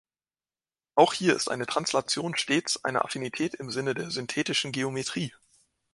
Auch hier ist eine Translation stets eine Affinität im Sinne der synthetischen Geometrie.